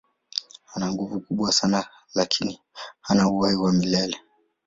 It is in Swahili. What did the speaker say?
Ana nguvu kubwa sana lakini hana uhai wa milele.